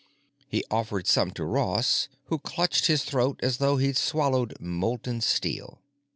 He offered some to Ross; who clutched his throat as though he'd swallowed molten steel.